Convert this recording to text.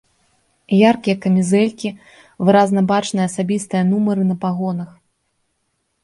Яркія камізэлькі, выразна бачныя асабістыя нумары на пагонах.